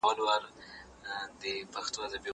زه درسونه نه اورم!